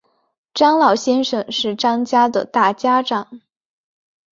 张老先生是张家的大家长